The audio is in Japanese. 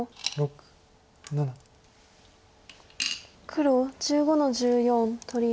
黒１５の十四取り。